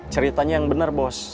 ceritanya yang benar boss